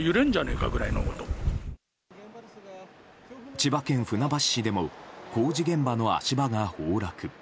千葉県船橋市でも工事現場の足場が崩落。